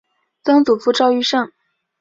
曾祖父赵愈胜。